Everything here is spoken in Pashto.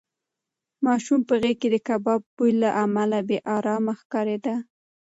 ماشوم په غېږ کې د کباب بوی له امله بې ارامه ښکارېده.